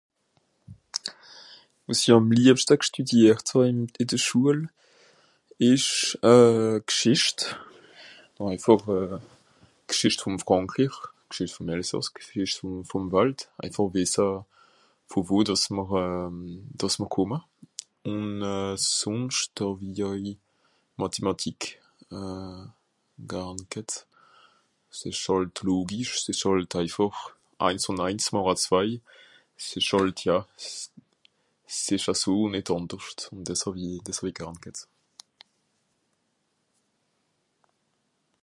wàs'i àm liebschte g'stùdiert hàn ìn de Schul esch G'schìscht ... vor G'schìscht vòm Frankrir G'schìscht vòm Elsàss G'scìscht vòm Wàlt einfàch wesse vò wò dàss mr euh dàss mr kòmme ùn euh sònscht hàwi euj Mathématik garn g'hett s'esch àlt logisch s'esch àlt einfàr ains ùn ains màche zwai s'sch àlt ja s'esch à so ùn nìt ànderscht ùn des hàwi des hàwi garn g'hett